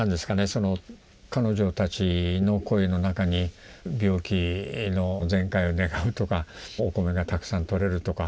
その彼女たちの声の中に病気の全快を願うとかお米がたくさん取れるとか